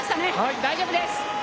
大丈夫です。